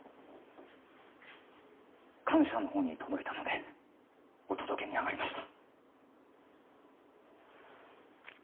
官舎のほうに届いたのでお届けにあがりました